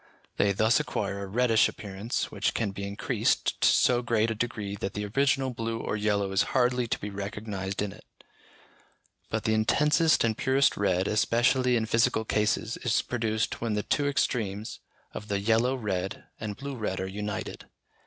They thus acquire a reddish appearance which can be increased to so great a degree that the original blue or yellow is hardly to be recognised in it: but the intensest and purest red, especially in physical cases, is produced when the two extremes of the yellow red and blue red are united.